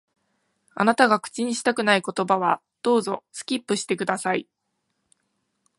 あなたが口にしたくない言葉は、どうぞ、スキップして下さい。